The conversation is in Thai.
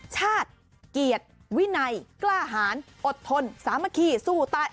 ชาติเกียรติวินัยกล้าหารอดทนสามัคคีสู้ตาย